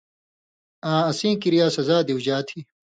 آں اسیں کِریا سزا دیُوژا تھی،